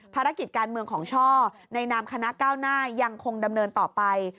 ภารกิจการเมืองของช่อในนามคณะก้าวหน้ายังคงดำเนินต่อไป